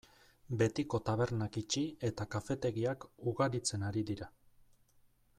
Betiko tabernak itxi eta kafetegiak ugaritzen ari dira.